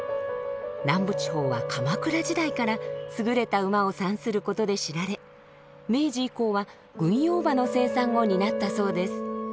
南部地方は鎌倉時代から優れた馬を産することで知られ明治以降は軍用馬の生産を担ったそうです。